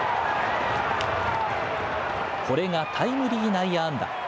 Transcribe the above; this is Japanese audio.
これがタイムリー内野安打。